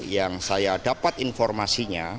yang saya dapat informasinya